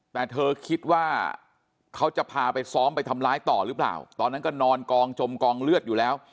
แต่เธอคิดว่าเขาจะพาไปซ้อมไปทำร้ายต่อหรือเปล่าตอนนั้นก็นอนกองจมกองเลือดอยู่แล้ว